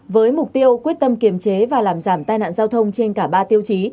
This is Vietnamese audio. với mục tiêu quyết tâm kiềm chế và làm giảm tai nạn giao thông trên cả ba tiêu chí